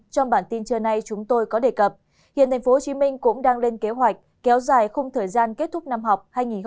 trong bản tin trưa nay chúng tôi có đề cập hiện tp hcm cũng đang lên kế hoạch kéo dài không thời gian kết thúc năm học hai nghìn hai mươi hai nghìn hai mươi